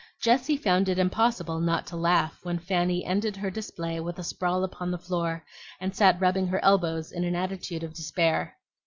Jessie found it impossible not to laugh when Fanny ended her display with a sprawl upon the floor, and sat rubbing her elbows in an attitude of despair.